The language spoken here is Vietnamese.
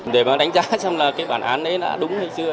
để mà đánh giá xem là cái bản án ấy đã đúng hay chưa